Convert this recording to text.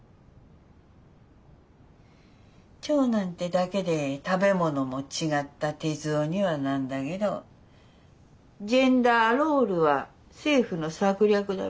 長男ってだけで食べ物も違った哲雄にはなんだけどジェンダーロールは政府の策略だべ。